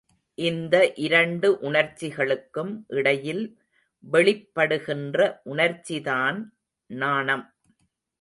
இந்த இரண்டு உணர்ச்சிகளுக்கும் இடையில் வெளிப்படுகின்ற உணர்ச்சிதான் நாணம்.